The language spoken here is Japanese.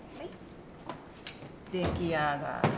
出来上がり。